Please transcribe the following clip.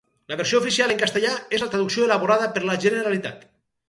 La versió oficial en castellà és la traducció elaborada per la Generalitat.